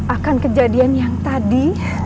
akan kejadian yang tadi